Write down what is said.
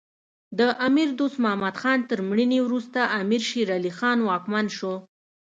د امیر دوست محمد خان تر مړینې وروسته امیر شیر علی خان واکمن شو.